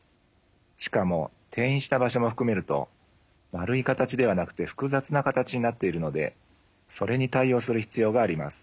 しかも転移した場所も含めると丸い形ではなくて複雑な形になっているのでそれに対応する必要があります。